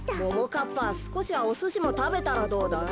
かっぱすこしはおすしもたべたらどうだい？